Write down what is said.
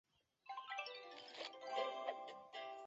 森明顿生于纽约市一个来自于马里兰州的豪族家庭。